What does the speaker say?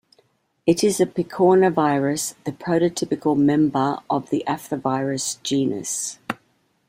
It is a picornavirus, the prototypical member of the "Aphthovirus" genus.